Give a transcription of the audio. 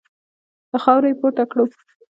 له خاورو يې پورته کړه.